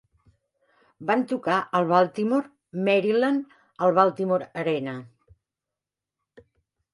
Van tocar a Baltimore, Maryland, al Baltimore Arena.